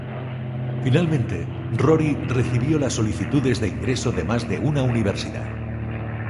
Finalmente, Rory recibe las solicitudes de ingreso de más de una universidad.